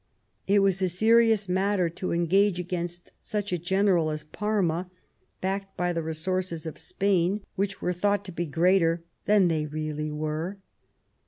It was a serious matter to engage against such a general as Parma, backed by the resources of Spain, which were thought to be greater than they really were.